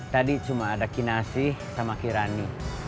tadi cuma ada kinasi sama kirani